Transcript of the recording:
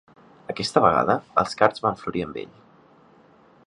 Aquesta vegada, els Cards van florir amb ell.